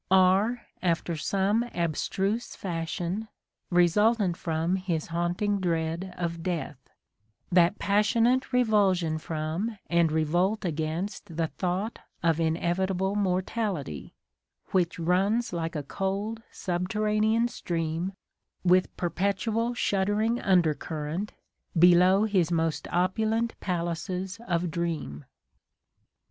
are, after some abstruse fashion, resultant from his haunting dread of death : that passionate revulsion from and revolt against the thought of inevitable mortality, which runs like a cold subterranean stream, with perpetual shuddering undercurrent, below his most opulent palaces of dream.